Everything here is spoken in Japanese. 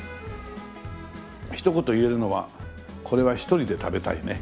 ひと言言えるのはこれは一人で食べたいね。